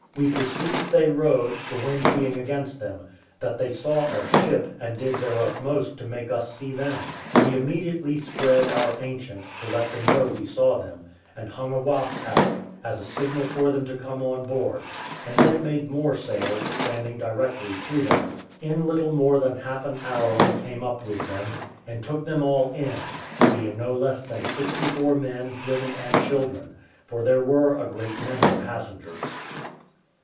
We perceived they rowed, the wind being against them; that they saw our ship, and did their utmost to make us see them. We immediately spread our ancient, to let them know we saw them, and hung a waft out, as a signal for them to come on board, and then made more sail, standing directly to them. In little more than half an hour we came up with them; and took them all in, being no less than sixty four men, women, and children; for there were a great many passengers.